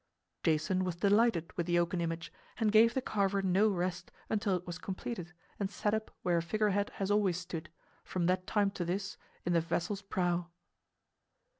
Jason was delighted with the oaken image and gave the carver no rest until it was completed and set up where a figurehead has always stood, from that time to this, in the vessel's prow.